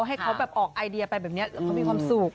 ให้เขาออกไอเดียแบบนี้เขามีความสุข